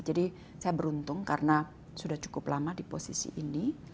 jadi saya beruntung karena sudah cukup lama di posisi ini